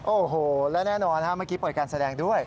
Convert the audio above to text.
โอ้โหและแน่นอนเมื่อกี้เปิดการแสดงด้วย